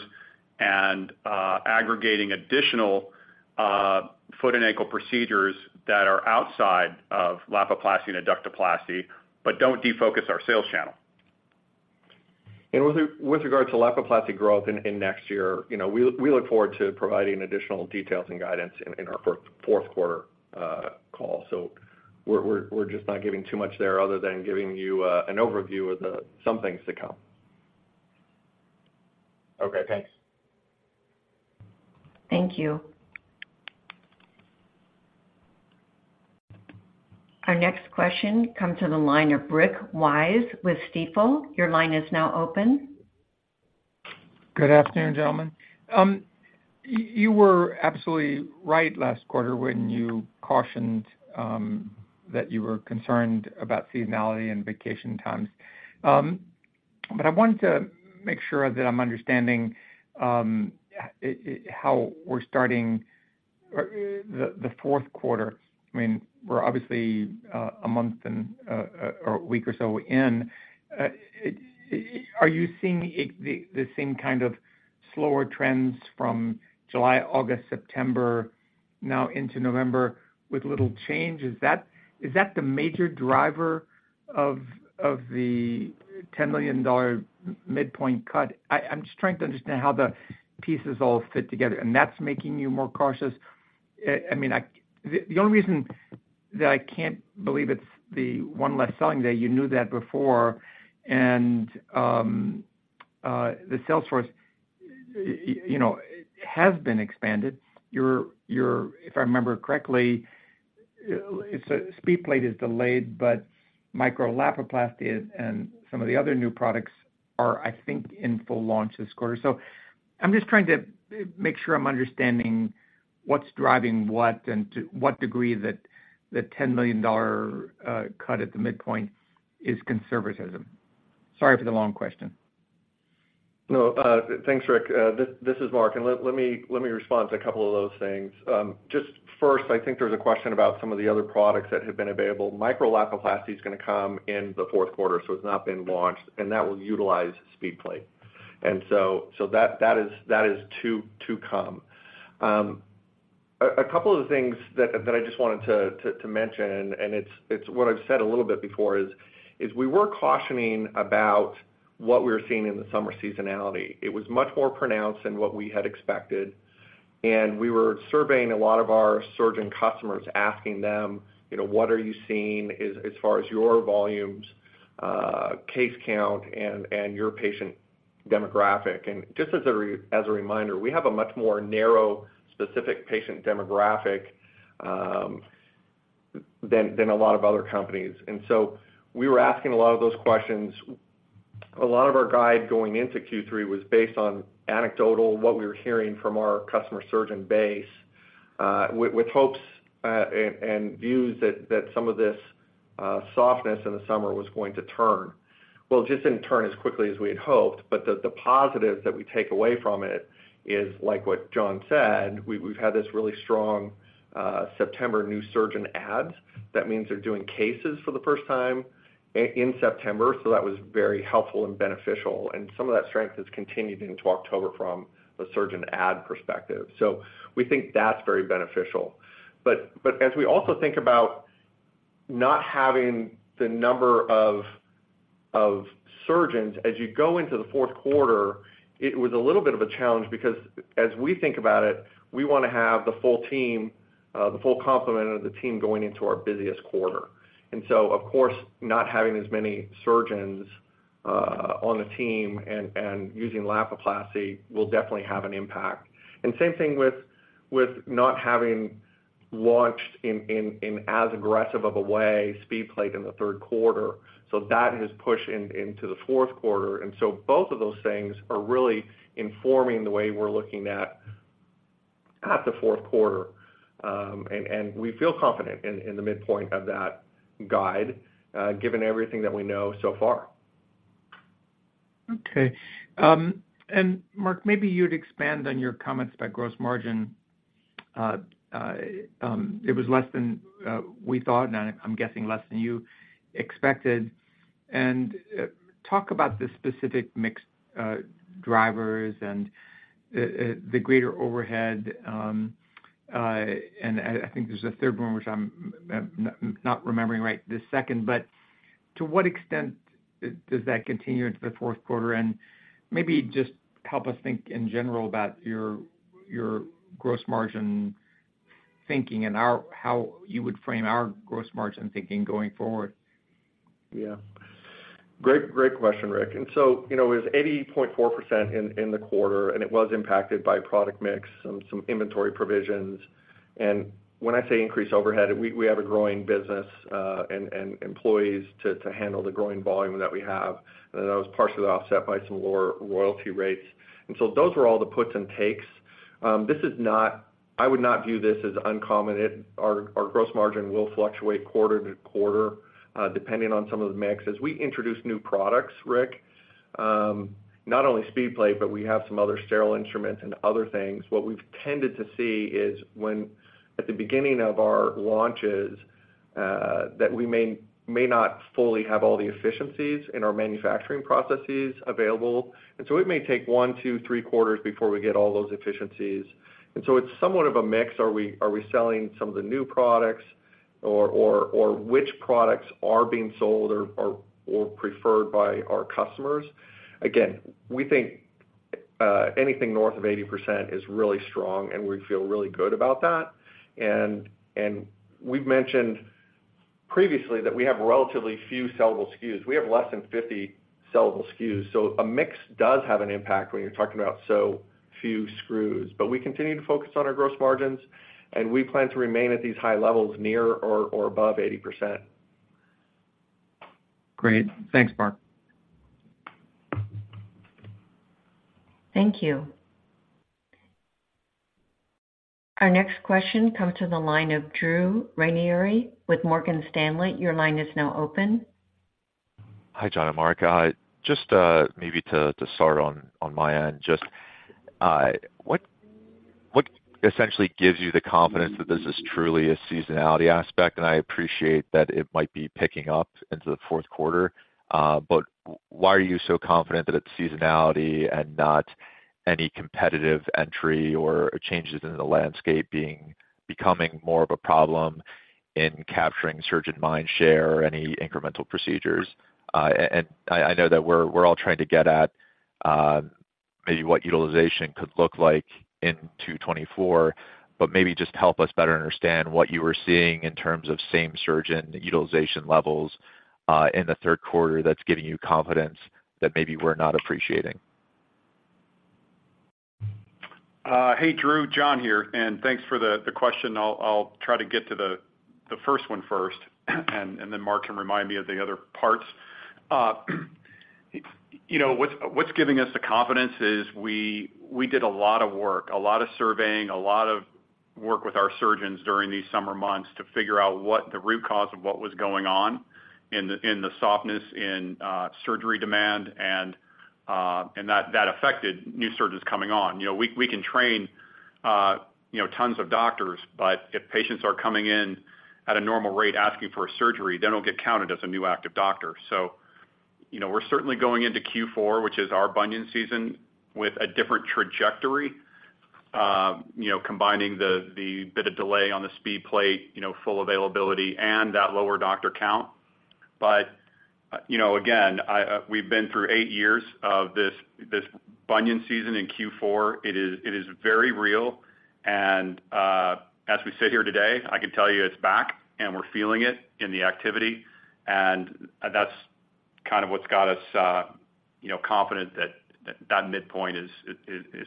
and aggregating additional foot and ankle procedures that are outside of Lapiplasty and Adductoplasty, but don't defocus our sales channel. With regard to Lapiplasty growth in next year, you know, we look forward to providing additional details and guidance in our fourth quarter call. So we're just not giving too much there other than giving you an overview of the some things to come. Okay, thanks. Thank you. Our next question comes to the line of Rick Wise with Stifel. Your line is now open. Good afternoon, gentlemen. You were absolutely right last quarter when you cautioned that you were concerned about seasonality and vacation times. But I wanted to make sure that I'm understanding how we're starting the fourth quarter. I mean, we're obviously a month and or a week or so in. Are you seeing the same kind of slower trends from July, August, September, now into November with little change? Is that the major driver of the $10 million midpoint cut? I'm just trying to understand how the pieces all fit together, and that's making you more cautious. I mean, the only reason that I can't believe it's the one less selling day. You knew that before. The sales force, you know, has been expanded. Your, if I remember correctly, SpeedPlate is delayed, but Micro-Lapiplasty and some of the other new products are, I think, in full launch this quarter. So I'm just trying to make sure I'm understanding what's driving what, and to what degree that the $10 million cut at the midpoint is conservatism. Sorry for the long question. No, thanks, Rick. This is Mark, and let me respond to a couple of those things. Just first, I think there was a question about some of the other products that have been available. Micro-Lapiplasty is going to come in the fourth quarter, so it's not been launched, and that will utilize SpeedPlate. And so that is to come. A couple of the things that I just wanted to mention, and it's what I've said a little bit before, is we were cautioning about what we were seeing in the summer seasonality. It was much more pronounced than what we had expected, and we were surveying a lot of our surgeon customers, asking them, you know, "What are you seeing as far as your volumes, case count, and your patient demographic?" And just as a reminder, we have a much more narrow, specific patient demographic than a lot of other companies. And so we were asking a lot of those questions. A lot of our guide going into Q3 was based on anecdotal what we were hearing from our customer surgeon base, with hopes and views that some of this softness in the summer was going to turn. Well, it just didn't turn as quickly as we had hoped, but the positives that we take away from it is, like what John said, we've had this really strong September new surgeon adds. That means they're doing cases for the first time in September, so that was very helpful and beneficial. And some of that strength has continued into October from a surgeon add perspective. So we think that's very beneficial. But as we also think about not having the number of surgeons, as you go into the fourth quarter, it was a little bit of a challenge because as we think about it, we want to have the full team, the full complement of the team going into our busiest quarter. So, of course, not having as many surgeons on the team and using Lapiplasty will definitely have an impact. Same thing with not having launched in as aggressive of a way, SpeedPlate in the third quarter. That has pushed into the fourth quarter. Both of those things are really informing the way we're looking at the fourth quarter. We feel confident in the midpoint of that guide, given everything that we know so far. Okay. And Mark, maybe you'd expand on your comments about gross margin. It was less than we thought, and I'm guessing less than you expected. And talk about the specific mix drivers and the greater overhead. And I think there's a third one, which I'm not remembering right this second. But to what extent does that continue into the fourth quarter? And maybe just help us think in general about your gross margin thinking and how you would frame our gross margin thinking going forward. Yeah. Great, great question, Rick. And so, you know, it was 80.4% in the quarter, and it was impacted by product mix and some inventory provisions. And when I say increased overhead, we have a growing business and employees to handle the growing volume that we have, and that was partially offset by some lower royalty rates. And so those were all the puts and takes. This is not, I would not view this as uncommon. It, our, our gross margin will fluctuate quarter to quarter, depending on some of the mix. As we introduce new products, Rick, not only SpeedPlate, but we have some other sterile instruments and other things. What we've tended to see is when, at the beginning of our launches, that we may, may not fully have all the efficiencies in our manufacturing processes available, and so it may take one, two, three quarters before we get all those efficiencies. And so it's somewhat of a mix. Are we, are we selling some of the new products or, or, or which products are being sold or, or, or preferred by our customers? Again, we think, anything north of 80% is really strong, and we feel really good about that. We've mentioned previously that we have relatively few sellable SKUs. We have less than 50 sellable SKUs, so a mix does have an impact when you're talking about so few screws. But we continue to focus on our gross margins, and we plan to remain at these high levels near or above 80%. Great. Thanks, Mark. Thank you. Our next question comes to the line of Drew Ranieri with Morgan Stanley. Your line is now open. Hi, John and Mark. Just maybe to start on my end, just what essentially gives you the confidence that this is truly a seasonality aspect? And I appreciate that it might be picking up into the fourth quarter, but why are you so confident that it's seasonality and not any competitive entry or changes in the landscape becoming more of a problem in capturing surgeon mind share or any incremental procedures? And I know that we're all trying to get at maybe what utilization could look like in 2024, but maybe just help us better understand what you were seeing in terms of same surgeon utilization levels in the third quarter that's giving you confidence that maybe we're not appreciating. Hey, Drew, John here, and thanks for the, the question. I'll, I'll try to get to the, the first one first, and, and then Mark can remind me of the other parts. You know, what's, what's giving us the confidence is we, we did a lot of work, a lot of surveying, a lot of work with our surgeons during these summer months to figure out what the root cause of what was going on in the, in the softness in surgery demand, and, and that, that affected new surgeons coming on. You know, we, we can train, you know, tons of doctors, but if patients are coming in at a normal rate asking for a surgery, they don't get counted as a new active doctor. So, you know, we're certainly going into Q4, which is our bunion season, with a different trajectory, you know, combining the bit of delay on the SpeedPlate, you know, full availability and that lower doctor count. But, you know, again, we've been through eight years of this bunion season in Q4. It is very real, and as we sit here today, I can tell you it's back, and we're feeling it in the activity, and that's kind of what's got us, you know, confident that that midpoint is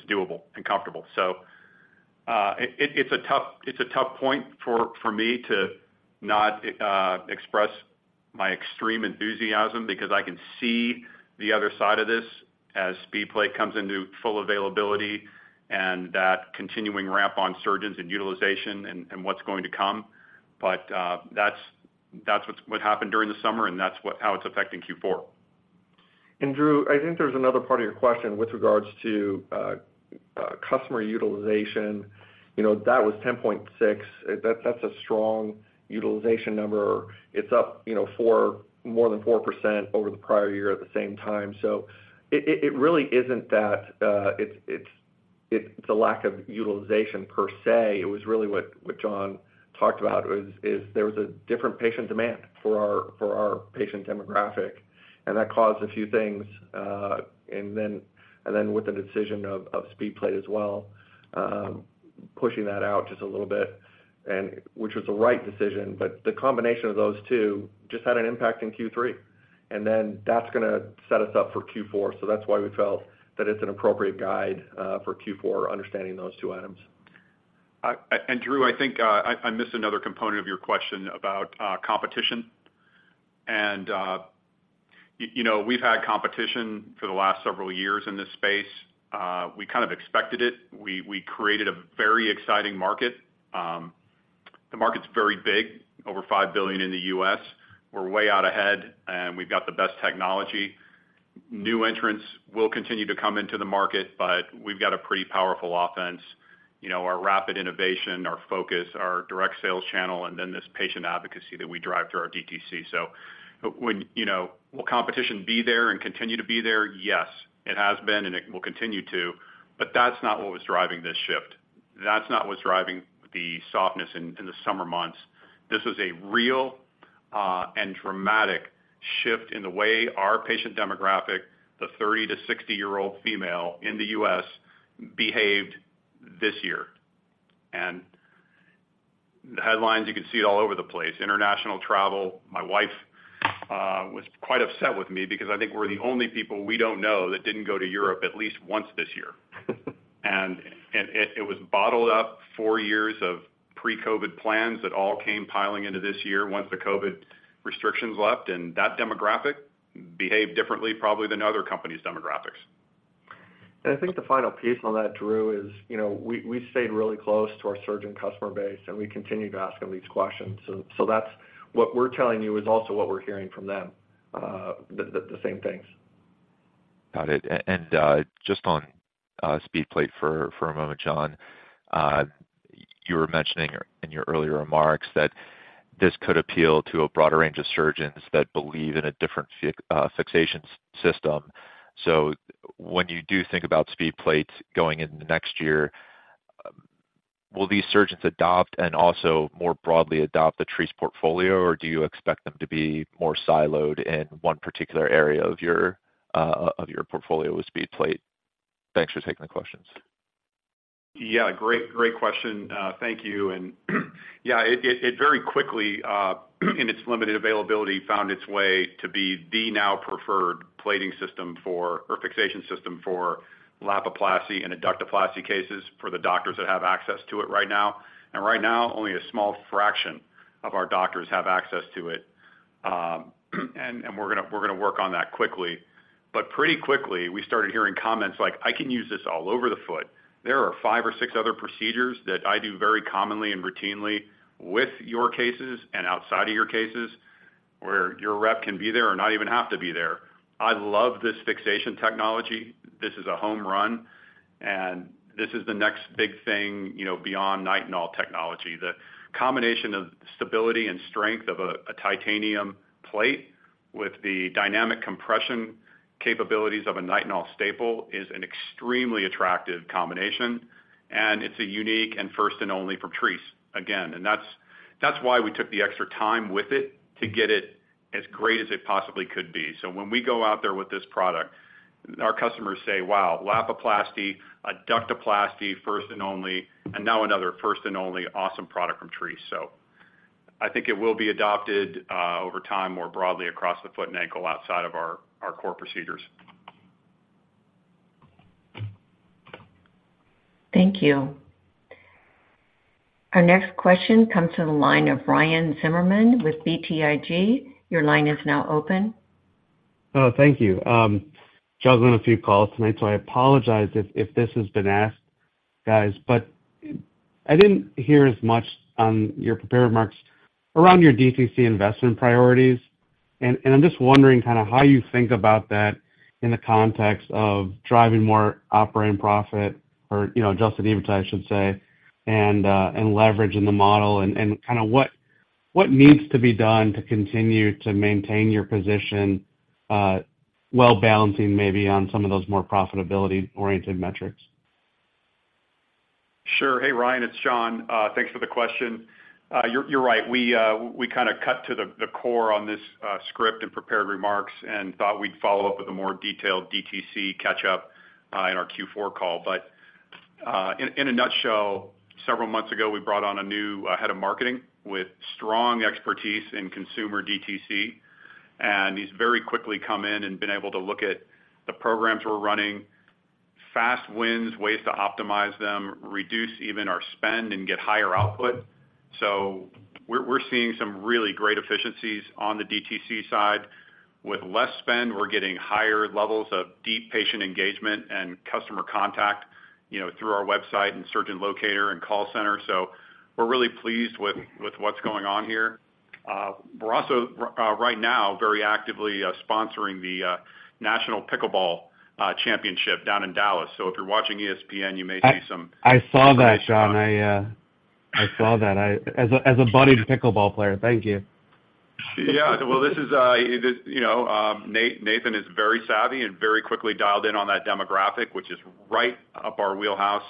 doable and comfortable. So, it's a tough point for me to not express my extreme enthusiasm because I can see the other side of this as SpeedPlate comes into full availability and that continuing ramp on surgeons and utilization and what's going to come. But that's what happened during the summer, and that's what, how it's affecting Q4. Drew, I think there's another part of your question with regards to customer utilization. You know, that was 10.6. That's a strong utilization number. It's up, you know, more than 4% over the prior year at the same time. So it really isn't that it's a lack of utilization per se. It was really what John talked about, is there was a different patient demand for our patient demographic, and that caused a few things, and then with the decision of SpeedPlate as well, pushing that out just a little bit, and which was the right decision. But the combination of those two just had an impact in Q3, and then that's gonna set us up for Q4. So that's why we felt that it's an appropriate guide for Q4, understanding those two items. And Drew, I think, I missed another component of your question about competition. And, you know, we've had competition for the last several years in this space. We kind of expected it. We created a very exciting market. The market's very big, over $5 billion in the U.S. We're way out ahead, and we've got the best technology. New entrants will continue to come into the market, but we've got a pretty powerful offense. You know, our rapid innovation, our focus, our direct sales channel, and then this patient advocacy that we drive through our DTC. So when you know, will competition be there and continue to be there? Yes, it has been, and it will continue to, but that's not what was driving this shift. That's not what's driving the softness in the summer months. This was a real and dramatic shift in the way our patient demographic, the 30- to 60-year-old female in the U.S., behaved this year. The headlines, you can see it all over the place. International travel. My wife was quite upset with me because I think we're the only people we don't know that didn't go to Europe at least once this year. It was bottled up four years of pre-COVID plans that all came piling into this year once the COVID restrictions left, and that demographic behave differently probably than other companies' demographics. I think the final piece on that, Drew, is, you know, we stayed really close to our surgeon customer base, and we continued to ask them these questions. So that's what we're telling you is also what we're hearing from them, the same things. Got it. And just on SpeedPlate for a moment, John. You were mentioning in your earlier remarks that this could appeal to a broader range of surgeons that believe in a different fixation system. So when you do think about SpeedPlate going into next year, will these surgeons adopt and also more broadly adopt the Treace portfolio? Or do you expect them to be more siloed in one particular area of your portfolio with SpeedPlate? Thanks for taking the questions. Yeah, great, great question. Thank you. And yeah, it very quickly, in its limited availability, found its way to be the now preferred plating system for—or fixation system for Lapiplasty and Adductoplasty cases, for the doctors that have access to it right now. And right now, only a small fraction of our doctors have access to it. And we're gonna work on that quickly. But pretty quickly, we started hearing comments like, "I can use this all over the foot. There are five or six other procedures that I do very commonly and routinely with your cases and outside of your cases, where your rep can be there or not even have to be there. I love this fixation technology. This is a home run, and this is the next big thing, you know, beyond Nitinol technology." The combination of stability and strength of a titanium plate with the dynamic compression capabilities of a Nitinol staple is an extremely attractive combination, and it's a unique and first and only from Treace. Again, and that's why we took the extra time with it, to get it as great as it possibly could be. So when we go out there with this product, our customers say, "Wow, Lapiplasty, Adductoplasty, first and only, and now another first and only awesome product from Treace." So I think it will be adopted over time, more broadly across the foot and ankle outside of our core procedures. Thank you. Our next question comes to the line of Ryan Zimmerman with BTIG. Your line is now open. Oh, thank you. Juggling a few calls tonight, so I apologize if this has been asked, guys, but I didn't hear as much on your prepared remarks around your DTC investment priorities. And I'm just wondering kind of how you think about that in the context of driving more operating profit or, you know, adjusted EBITDA, I should say, and leveraging the model, and kind of what needs to be done to continue to maintain your position while balancing maybe on some of those more profitability-oriented metrics? Sure. Hey, Ryan, it's John. Thanks for the question. You're right. We kind of cut to the core on this script and prepared remarks and thought we'd follow up with a more detailed DTC catch up in our Q4 call. But in a nutshell, several months ago, we brought on a new head of marketing with strong expertise in consumer DTC. And he's very quickly come in and been able to look at the programs we're running, fast wins, ways to optimize them, reduce even our spend and get higher output. So we're seeing some really great efficiencies on the DTC side. With less spend, we're getting higher levels of deep patient engagement and customer contact, you know, through our website and surgeon locator and call center. So we're really pleased with what's going on here. We're also right now very actively sponsoring the National Pickleball Championship down in Dallas. So if you're watching ESPN, you may see some- I saw that, John. I saw that as a budding pickleball player. Thank you. Yeah. Well, this is... It is, you know, Nathan is very savvy and very quickly dialed in on that demographic, which is right up our wheelhouse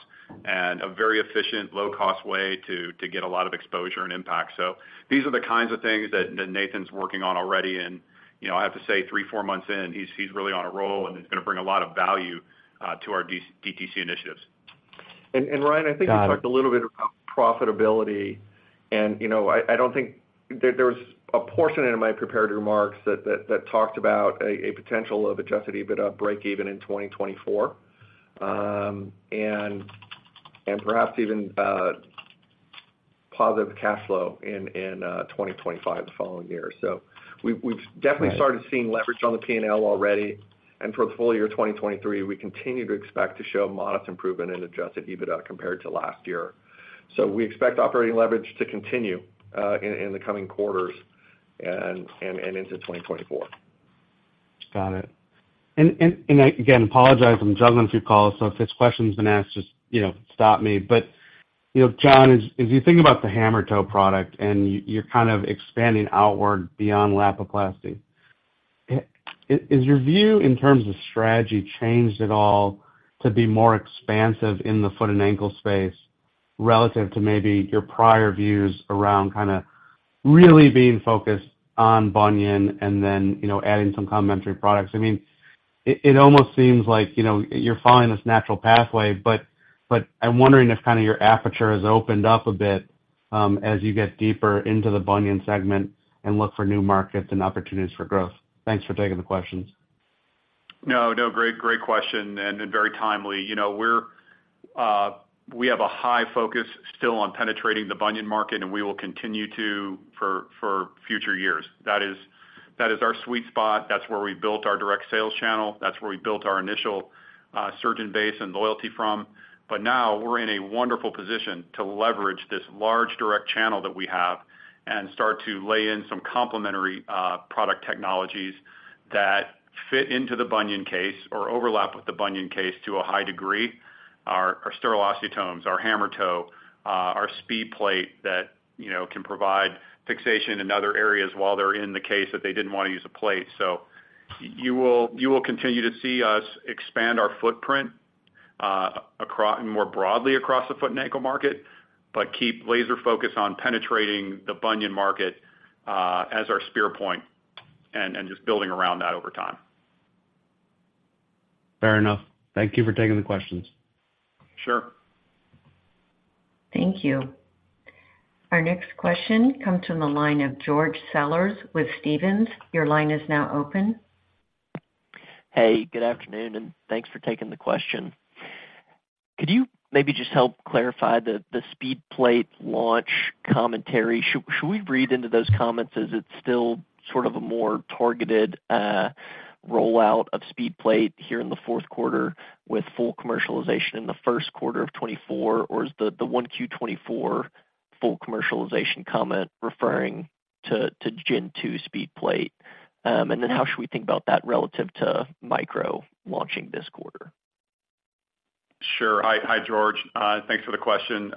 and a very efficient, low-cost way to get a lot of exposure and impact. So these are the kinds of things that Nathan's working on already, and, you know, I have to say, three, four months in, he's really on a roll, and he's gonna bring a lot of value to our DTC initiatives. Ryan, I think you talked a little bit about profitability, and, you know, I don't think there was a portion in my prepared remarks that talked about a potential of adjusted EBITDA breakeven in 2024. And perhaps even positive cash flow in 2025, the following year. So we've definitely started seeing leverage on the P&L already. For the full year 2023, we continue to expect to show modest improvement in adjusted EBITDA compared to last year. So we expect operating leverage to continue in the coming quarters and into 2024. Got it. And again, apologize, I'm juggling a few calls, so if this question's been asked, just, you know, stop me. But, you know, John, as you think about the Hammertoe product and you're kind of expanding outward beyond Lapiplasty, has your view in terms of strategy changed at all to be more expansive in the foot and ankle space, relative to maybe your prior views around kind of really being focused on bunion and then, you know, adding some complementary products? I mean, it almost seems like, you know, you're following this natural pathway, but I'm wondering if kind of your aperture has opened up a bit, as you get deeper into the bunion segment and look for new markets and opportunities for growth. Thanks for taking the questions. No, no, great, great question, and, and very timely. You know, we're, we have a high focus still on penetrating the bunion market, and we will continue to for, for future years. That is, that is our sweet spot. That's where we built our direct sales channel. That's where we built our initial surgeon base and loyalty from. But now we're in a wonderful position to leverage this large direct channel that we have and start to lay in some complementary product technologies that fit into the bunion case or overlap with the bunion case to a high degree. Our sterile osteotomes, our Hammertoe, our SpeedPlate that, you know, can provide fixation in other areas while they're in the case that they didn't want to use a plate. So you will continue to see us expand our footprint more broadly across the foot and ankle market, but keep laser focused on penetrating the bunion market as our spear point and just building around that over time. Fair enough. Thank you for taking the questions. Sure. Thank you. Our next question comes from the line of George Sellers with Stephens. Your line is now open. Hey, good afternoon, and thanks for taking the question. Could you maybe just help clarify the SpeedPlate launch commentary? Should we read into those comments as it's still sort of a more targeted rollout of SpeedPlate here in the fourth quarter with full commercialization in the first quarter of 2024? Or is the 1Q 2024 full commercialization comment referring to Gen 2 SpeedPlate? And then how should we think about that relative to Micro launching this quarter? Sure. Hi, hi, George. Thanks for the question.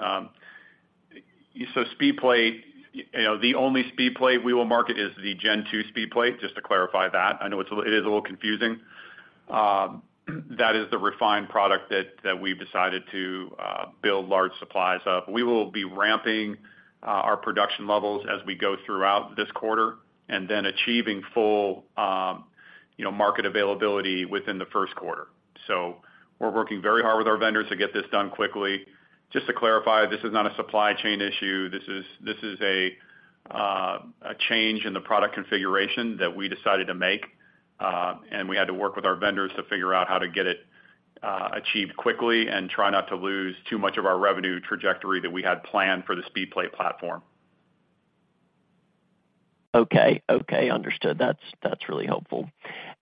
So SpeedPlate, you know, the only SpeedPlate we will market is the gen two SpeedPlate, just to clarify that. I know it's a little, it is a little confusing. That is the refined product that we've decided to build large supplies of. We will be ramping our production levels as we go throughout this quarter and then achieving full, you know, market availability within the first quarter. So we're working very hard with our vendors to get this done quickly. Just to clarify, this is not a supply chain issue. This is a change in the product configuration that we decided to make, and we had to work with our vendors to figure out how to get it achieved quickly and try not to lose too much of our revenue trajectory that we had planned for the SpeedPlate platform. Okay, okay, understood. That's, that's really helpful.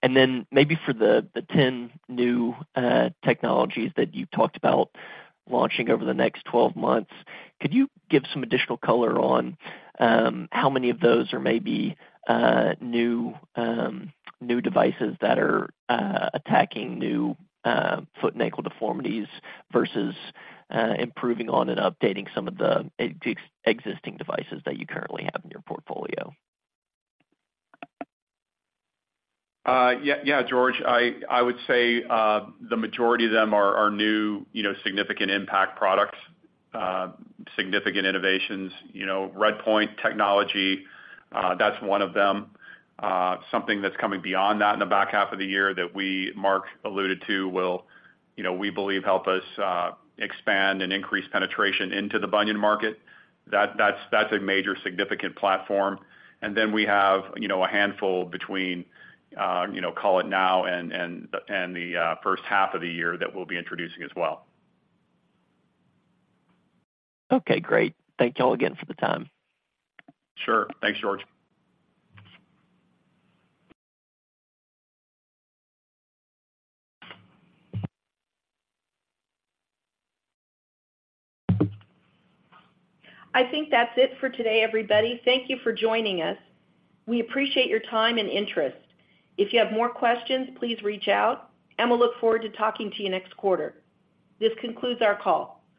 And then maybe for the 10 new technologies that you talked about launching over the next 12 months, could you give some additional color on how many of those are maybe new devices that are attacking new foot and ankle deformities versus improving on and updating some of the existing devices that you currently have in your portfolio? Yeah, yeah, George. I would say the majority of them are new, you know, significant impact products, significant innovations. You know, RedPoint technology, that's one of them. Something that's coming beyond that in the back half of the year that Mark alluded to will, you know, we believe, help us expand and increase penetration into the bunion market. That's a major significant platform. And then we have, you know, a handful between, you know, call it now and the first half of the year that we'll be introducing as well. Okay, great. Thank you all again for the time. Sure. Thanks, George. I think that's it for today, everybody. Thank you for joining us. We appreciate your time and interest. If you have more questions, please reach out, and we'll look forward to talking to you next quarter. This concludes our call.